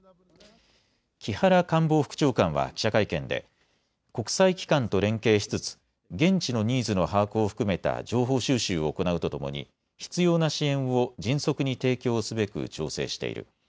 木原官房副長官は記者会見で国際機関と連携しつつ現地のニーズの把握を含めた情報収集を行うとともに必要な支援を迅速に提供すべく調整している。